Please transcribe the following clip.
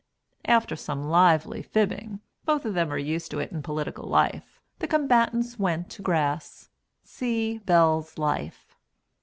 After some lively fibbing (both of them are used to it in political life,) the combatants went to grass. (See "Bell's Life.")